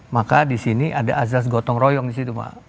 maka disini ada azaz gotong royong disitu